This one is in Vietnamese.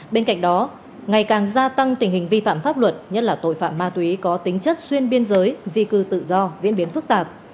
bên cạnh đó ngày càng gia tăng tình hình vi phạm pháp luật nhất là tội phạm ma túy có tính chất xuyên biên giới di cư tự do diễn biến phức tạp